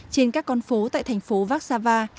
trên các con phố tại thành phố vác xa va